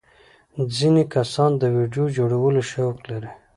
ځینې کسان د ویډیو جوړولو شوق لري.